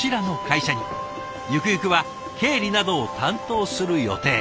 ゆくゆくは経理などを担当する予定。